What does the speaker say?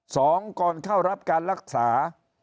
สองก่อนเข้ารับการรักษา